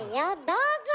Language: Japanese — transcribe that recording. どうぞ！